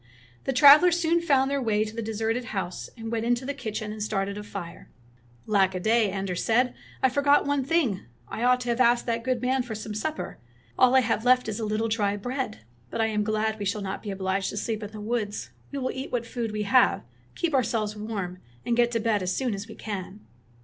The travelers soon found their way to the deserted house and went into the kitchen and started a fire. "Lack a day !" Anders said, "I forgot one thing — I ought to have asked that good man for some supper. All I have left is a little 21 Fairy Tale Bears dry bread. But I am glad we shall not be obliged to sleep in the woods. We will eat what food we have, keep ourselves warm, and get to bed as soon as we can.